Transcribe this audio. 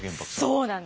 そうなんです！